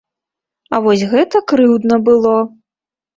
А вось гэта крыўдна было!